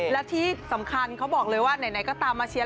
และที่สำคัญเขาบอกเลยว่าไหนก็ตามมาเชียร์